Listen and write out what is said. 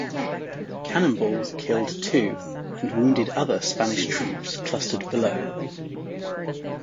Cannonballs killed two and wounded other Spanish troops clustered below.